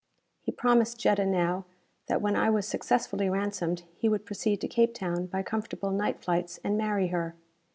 He promised Jetta now that when I was successfully ransomed he would proceed to Cape Town by comfortable night flights and marry her.